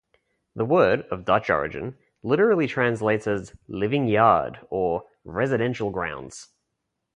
The word, of Dutch origin, literally translates as "living yard" or "residential grounds".